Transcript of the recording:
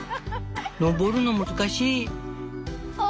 登るの難しい」。